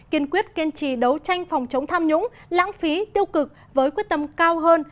kiên quyết kiên trì đấu tranh phòng chống tham nhũng lãng phí tiêu cực với quyết tâm cao hơn